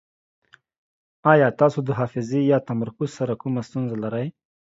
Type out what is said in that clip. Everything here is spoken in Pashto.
ایا تاسو د حافظې یا تمرکز سره کومه ستونزه لرئ؟